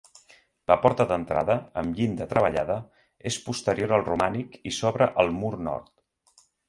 La porta d'entrada, amb llinda treballada, és posterior al romànic i s'obre al mur nord.